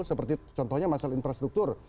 seperti contohnya masalah infrastruktur